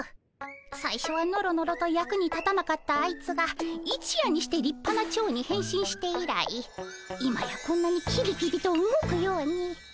さいしょはノロノロと役に立たなかったあいつが一夜にしてりっぱなチョウに変身して以来今やこんなにキビキビと動くように。